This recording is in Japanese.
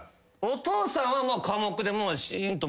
お父さんは寡黙でもうしーんと。